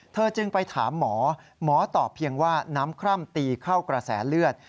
เธอจึงไปถามหมอหมอตอบเพียงว่าน้ำคร่ำตีเข้ากระแสเลือด